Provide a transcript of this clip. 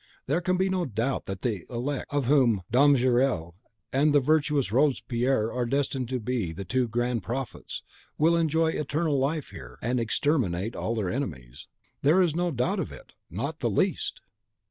There can be no doubt that the elect, of whom Dom Gerle and the virtuous Robespierre are destined to be the two grand prophets, will enjoy eternal life here, and exterminate all their enemies. There is no doubt of it, not the least!"